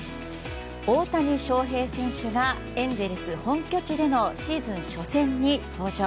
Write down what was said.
大谷翔平選手がエンゼルス本拠地でのシーズン初戦に登場。